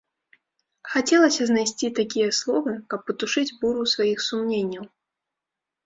Хацелася знайсці такія словы, каб патушыць буру сваіх сумненняў.